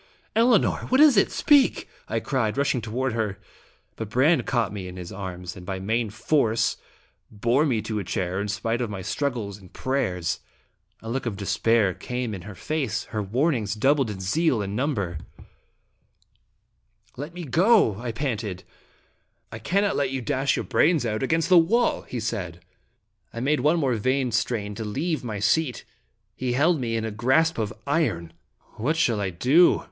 "Elinor! What is it? Speak!" I cried, rushing toward her. But Brande caught me in his arms, and by main force bore me to a chair in spite of my struggles and prayers. A look of despair came in her face. Her warnings doubled in zeal and number. 130 Stye ^Dramatic in ills " Let me go!" I panted. " I cannot let you dash your brains out against the wall/* he said. I made one more vain strain to leave my seat. He held me in a grasp of iron. " What shall I do?"